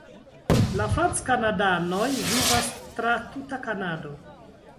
La franckanadanoj vivas tra tuta Kanado.